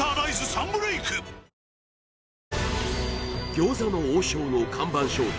餃子の王将の看板商品